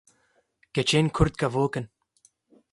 Keçên kurd kevok in.